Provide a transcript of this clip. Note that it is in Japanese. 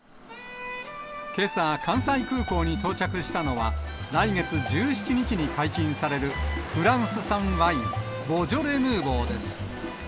けさ、関西空港に到着したのは、来月１７日に解禁されるフランス産ワイン、ボジョレ・ヌーボーです。